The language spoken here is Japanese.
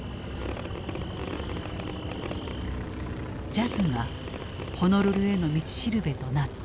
ジャズがホノルルへの道しるべとなった。